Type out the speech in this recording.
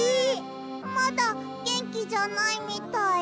まだげんきじゃないみたい。